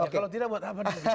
kalau tidak buat apa